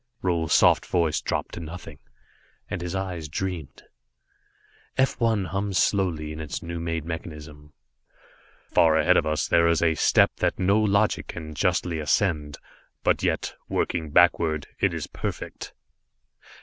Roal's soft voice dropped to nothing, and his eyes dreamed. F 1 hummed softly in its new made mechanism. "Far ahead of us there is a step that no logic can justly ascend, but yet, working backwards, it is perfect."